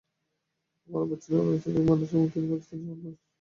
আমার আব্বা ছিলেন অরাজনৈতিক মানুষ, তবে তিনি পাকিস্তান আন্দোলন সমর্থন করেছেন।